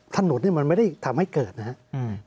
ถนนเนี่ยมันไม่ได้ทำให้เกิดนะครับ